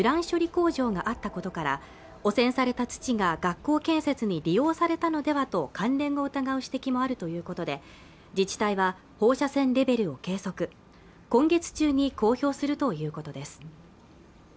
工場があったことから汚染された土が学校建設に利用されたのではと関連が疑う指摘もあるということで自治体は放射線レベルを計測今月中に公表するということです